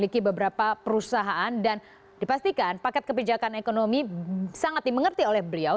memiliki beberapa perusahaan dan dipastikan paket kebijakan ekonomi sangat dimengerti oleh beliau